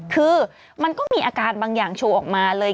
คือมันก็มีอาการบางอย่างโชว์ออกมาเลย